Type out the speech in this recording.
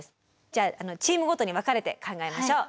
じゃあチームごとに分かれて考えましょう。